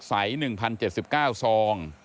ใส๑๐๗๙ซอง